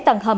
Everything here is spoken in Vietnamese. thứ nhất là